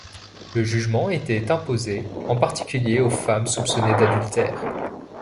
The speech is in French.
Le jugement était imposé en particulier aux femmes soupçonnées d'adultère.